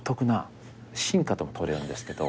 進化ともとれるんですけど。